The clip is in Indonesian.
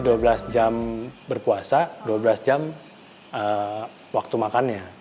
dua belas dua belas jadi dua belas jam berpuasa dua belas jam waktu makannya